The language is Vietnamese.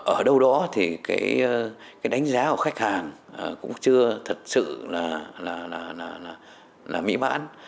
ở đâu đó đánh giá của khách hàng cũng chưa thật sự mỹ bản